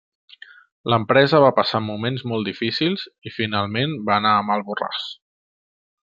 L'empresa va passar moments molt difícils i finalment va anar a mal borràs.